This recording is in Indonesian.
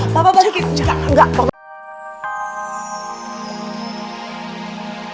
papan balikin rere chuck